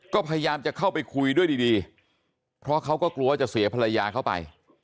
ก็พยายามจะเข้าไปคุยด้วยดีเพราะเขาก็กลัวจะเสียภรรยาเข้าไป